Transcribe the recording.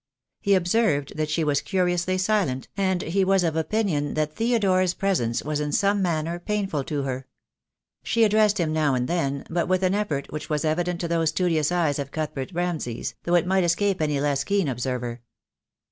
He observed that she was curiously silent, and he was of opinion that Theodore's presence was in some manner painful to her. She addressed him now and then, but with an effort which was evident to those studious eyes of Cuthbert Ramsay's, though it might escape any less keen observer.